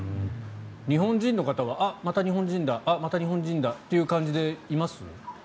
日本人の方はあ、また日本人だという感じでいます？